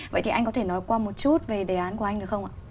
vậy thì anh có thể nói qua một chút về đề án của anh được không ạ